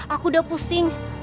aku udah pusing